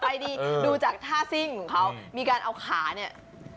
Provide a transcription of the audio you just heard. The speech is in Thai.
ไม่ไม่ไม่ไม่ไม่ไม่ไม่ไม่ไม่ไม่ไม่ไม่ไม่ไม่